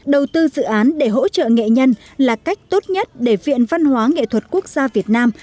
đầu tư dự án để hỗ trợ nghệ nhân là cách tốt nhất để viện văn hóa nghệ thuật quốc gia việt nam